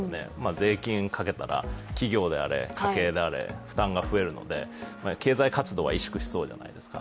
税金をかけたら、企業であれ、家計であれ負担が増えるので経済活動は萎縮しそうじゃないですか。